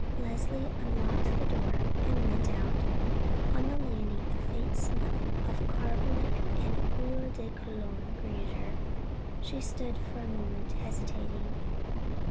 Leslie unlocked the door and went out. On the landing a faint smell of carbolic and eau de Cologne greeted her. She stood for a moment hesitating.